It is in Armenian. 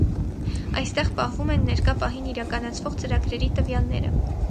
Այստեղ պահվում են ներկա պահին իրականացվող ծրագրերի տվյալները։